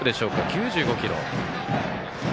９５キロ。